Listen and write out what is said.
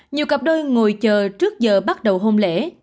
nhiều cặp đôi ngồi chờ trước giờ bắt đầu hôn lễ